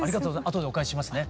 後でお返ししますね。